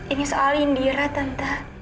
ini soal indira tante